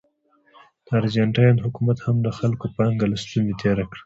د ارجنټاین حکومت هم د خلکو پانګه له ستونې تېره کړه.